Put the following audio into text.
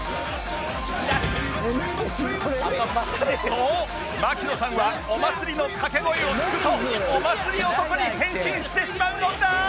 そう槙野さんはお祭りの掛け声を聞くとお祭り男に変身してしまうのだ！